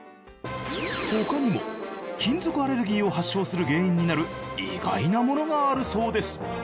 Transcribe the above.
他にも金属アレルギーを発症する原因になる意外なものがあるそうです